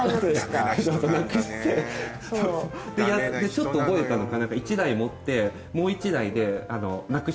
ちょっと覚えたのか。